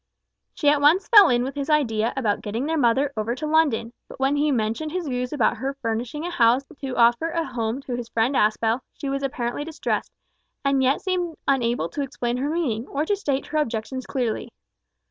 She at once fell in with his idea about getting their mother over to London, but when he mentioned his views about her furnishing a house so as to offer a home to his friend Aspel, she was apparently distressed, and yet seemed unable to explain her meaning, or to state her objections clearly.